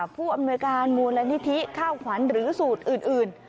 ผู้อำนวยการมูลนิธิข้าวขวัญหรือสูตรอื่น